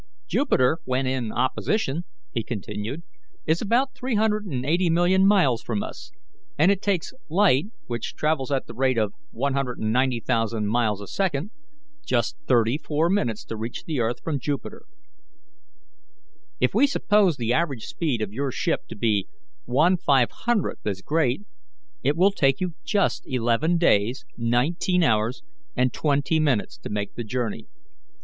"Jupiter, when in opposition," he continued, "is about 380,000,000 miles from us, and it takes light, which travels at the rate of 190,000 miles a second, just thirty four minutes to reach the earth from Jupiter. If we suppose the average speed of your ship to be one five hundredth as great, it will take you just eleven days, nineteen hours and twenty minutes to make the journey.